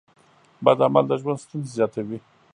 بد عمل د ژوند ستونزې زیاتوي.